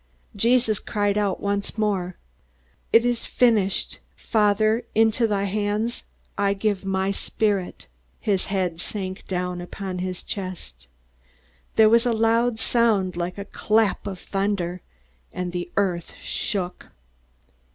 Jesus cried out once more: "It is finished. Father, into thy hands I give my spirit." His head sank down upon his chest. There was a loud sound like a clap of thunder, and the earth shook.